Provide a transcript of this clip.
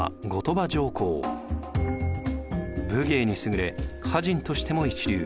武芸に優れ歌人としても一流。